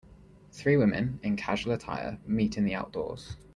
Three women, in casual attire, meet in the outdoors.